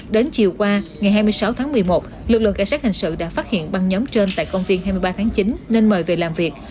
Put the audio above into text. đến chiều qua ngày hai mươi sáu tháng một mươi một lực lượng cảnh sát hình sự đã phát hiện băng nhóm trên tại công viên hai mươi ba tháng chín nên mời về làm việc